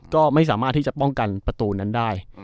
ก็ไม่สามารถที่จะป้องกันประตูนั้นได้